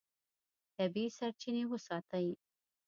طبیعي سرچینې وساتئ.